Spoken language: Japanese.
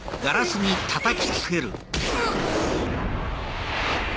うっ！